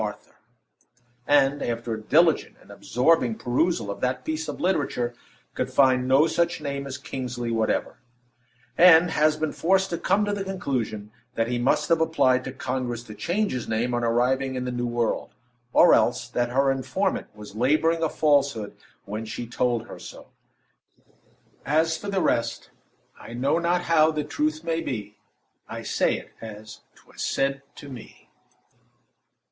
Arthur, and, after a diligent and absorbing perusal of that piece of literature, could find no such name as Kingsley whatever; and has been forced to come to the conclusion that he most have applied to Congress to change his name on arriving in the New World, or else that her informant was laboring reader a falsehood when she told her so. As for the rest, "I know not how the truth may be; I say it as 'twas said to me."